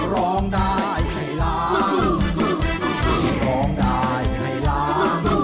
ร้องได้ให้ร้อง